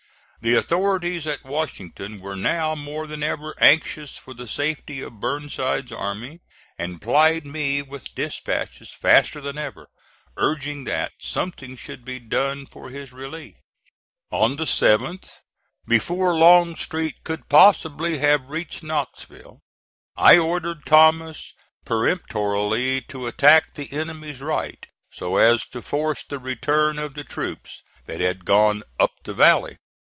The authorities at Washington were now more than ever anxious for the safety of Burnside's army, and plied me with dispatches faster than ever, urging that something should be done for his relief. On the 7th, before Longstreet could possibly have reached Knoxville, I ordered Thomas peremptorily to attack the enemy's right, so as to force the return of the troops that had gone up the valley.